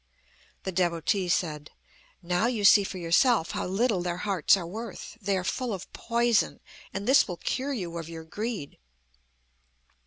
The Devotee said: "Now you see for yourself how little their hearts are worth. They are full of poison, and this will cure you of your greed."